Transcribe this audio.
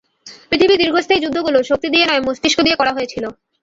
পৃথিবীর দীর্ঘস্থায়ী যুদ্ধগুলো শক্তি দিয়ে নয় মস্তিষ্ক দিয়ে করা হয়েছিল।